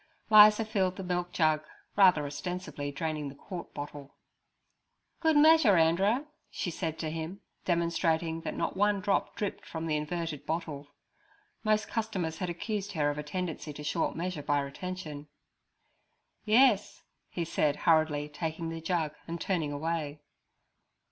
Liza filled the milk jug, rather ostensibly draining the quart bottle. 'Good measure, Anderer' she said to him, demonstrating that not one drop dripped from the inverted bottle. Most customers had accused her of a tendency to short measure by retention. 'Yers' he said, hurriedly taking the jug and turning away.